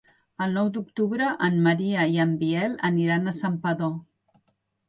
El nou d'octubre en Maria i en Biel aniran a Santpedor.